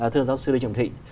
thưa giáo sư lê trọng thị